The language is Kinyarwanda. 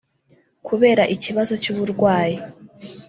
Kubera ikibazo cy’uburwayi